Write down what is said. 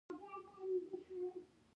هیله د ژوند د دوام او خوځښت نوم دی.